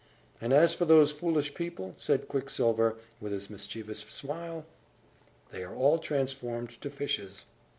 "And as for those foolish people," said Quicksilver, with his mischievous smile, "they are all transformed to fishes.